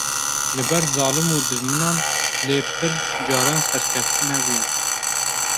li ber zalim û dijminan lê pir caran serkeftî nebûye.